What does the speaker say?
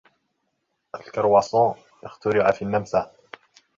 الكرواسون اخترع في النمسا.